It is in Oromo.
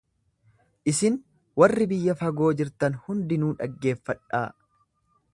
Isin warri biyya fagoo jirtan hundinuu dhaggeeffadhaa.